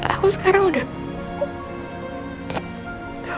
aku sekarang udah